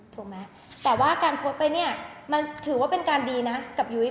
ถูกไหมแต่ว่าการโพสต์ไปเนี่ยมันถือว่าเป็นการดีนะกับยุ้ย